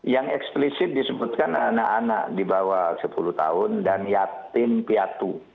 yang eksplisit disebutkan anak anak di bawah sepuluh tahun dan yatim piatu